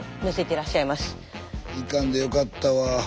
行かんでよかったわ。